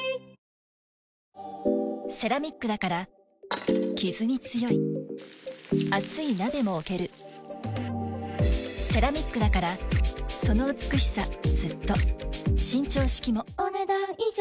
セラミックだからキズに強い熱い鍋も置けるセラミックだからその美しさずっと伸長式もお、ねだん以上。